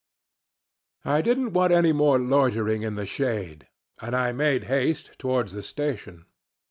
"I didn't want any more loitering in the shade, and I made haste towards the station.